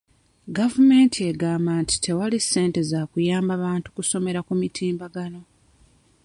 Gavumenti egamba nti tewali ssente za kuyamba bantu kusomera ku mutimbagano.